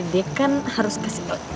dia kan harus kasih